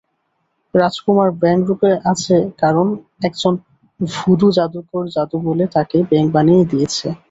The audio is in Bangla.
রাজকুমার ব্যাঙ রুপে আছে কারণ একজন ভুডু জাদুকর জাদুবলে তাকে ব্যাঙ বানিয়ে দিয়েছে।